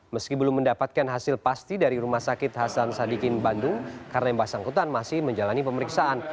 meski belum mendapatkan hasil pasti dari rumah sakit hasan sadikin bandung karena yang bersangkutan masih menjalani pemeriksaan